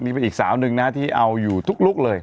นี่เป็นอีกสาวหนึ่งนะที่เอาอยู่ทุกลุคเลย